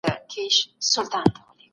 د کرکټرونو ارزونه وکړئ.